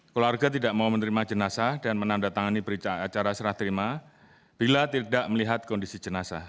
keluarga tidak mau menerima jenazah dan menandatangani acara serah terima bila tidak melihat kondisi jenazah